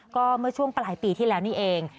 ก็เมื่อช่วงปลายปีที่แล้วนี่เอง